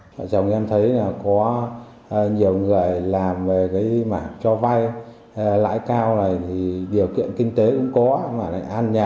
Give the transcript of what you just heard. trong khi em thấy có nhiều người làm về cái mà cho vay lãi cao này thì điều kiện kinh tế cũng có